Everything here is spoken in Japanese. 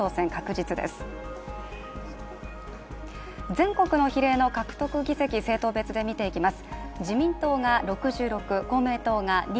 全国の比例の獲得議席、見ていきます。